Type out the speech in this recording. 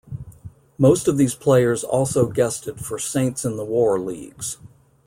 Most of these players also guested for Saints in the War leagues.